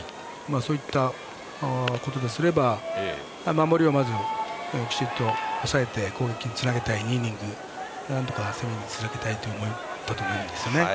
そういったことにすれば守りをまずきちっと抑えて攻撃につなげたい２イニング、なんとか攻めにつなげたい思いだと思うんです。